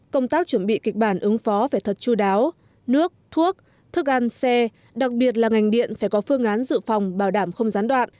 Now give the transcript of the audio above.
công tác chuẩn bị kịch bản ứng phó phải thật chú đáo nước thuốc ăn xe đặc biệt là ngành điện phải có phương án dự phòng bảo đảm không gián đoạn